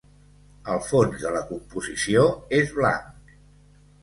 El fons de la composició és blanc.